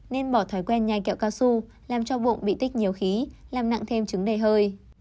nên bỏ thói quen nhanh kẹo cao su làm cho vụng bị tích nhiều khí làm nặng thêm trứng đầy hơi